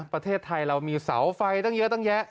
ประเทศไทยเรามีเสาไฟตั้งเยอะตั้งแยะ